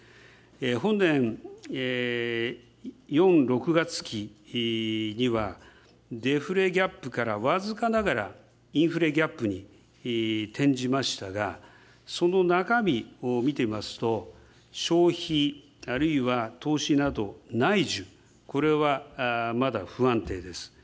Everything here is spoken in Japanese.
本年４・６月期にはデフレギャップからは僅かながらインフレギャップに転じましたが、その中身を見てみますと、消費あるいは投資など内需、これはまだ不安定です。